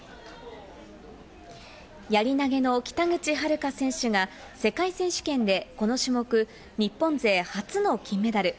やり投げの北口榛花選手が世界選手権でこの種目、日本勢初の金メダル。